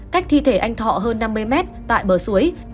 cách thi thể anh thọ hơn năm mươi mét tại bờ suối